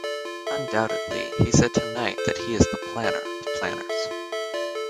Undoubtedly he said tonight that he is the planner of planners.